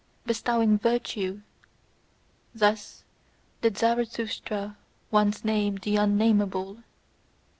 "Bestowing virtue" thus did Zarathustra once name the unnamable.